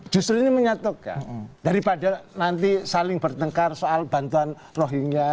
justru ini menyatuk ya daripada nanti saling bertengkar soal bantuan rohingya